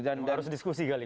dan harus diskusi kali